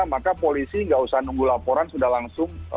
maka polisi tidak usah menunggu laporan sudah langsung